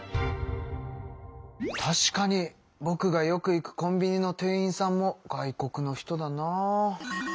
確かにぼくがよく行くコンビニの店員さんも外国の人だな。